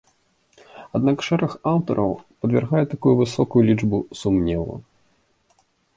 Аднак шэраг аўтараў падвяргае такую высокую лічбу сумневу.